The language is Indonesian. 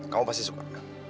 kamu pasti suka